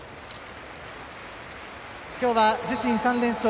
きょうは自身３連勝